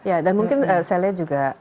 ya dan mungkin saya lihat juga